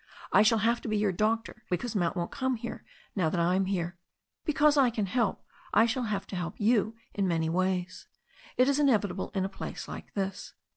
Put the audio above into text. I shall have to be your doctor, because Mount won't come here now that I am here. Because I can help, I shall have to help you in many ways. It is inevitable in a place like this.